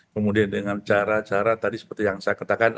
kemudian dengan cara cara tadi seperti yang saya katakan